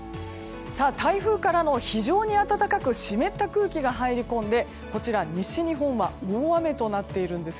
台風からの、非常に暖かく湿った空気が入り込んで西日本は大雨となっているんです。